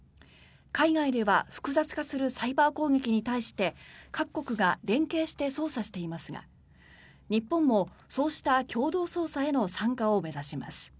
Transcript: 海外では複雑化するサイバー攻撃に対して各国が連携して捜査していますが日本もそうした共同捜査への参加を目指します。